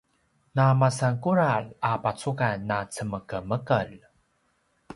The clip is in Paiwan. na masan kudral a pacugan na cemekemekelj